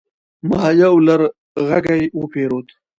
ما يو لرغږی وپيرود